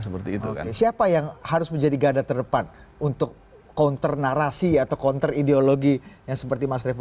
siapa yang harus menjadi gadah terdepan untuk counter narasi atau ideologi seperti mas revo